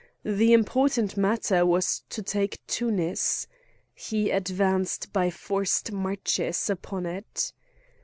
The important matter was to take Tunis. He advanced by forced marches upon it.